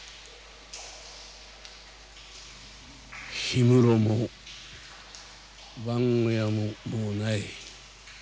氷室も番小屋ももうない。